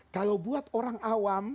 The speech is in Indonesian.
kalau buat orang awam